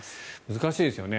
難しいですよね。